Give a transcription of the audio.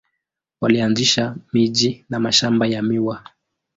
Walianzisha miji na mashamba ya miwa.